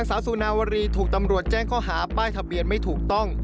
สาวสุนาวรีถูกตำรวจแจ้งข้อหาป้ายทะเบียนไม่ถูกต้อง